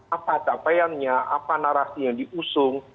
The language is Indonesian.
apa capaiannya apa narasinya diusung